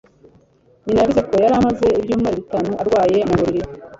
Nyina yavuze ko yari amaze ibyumweru bitanu arwaye mu buriri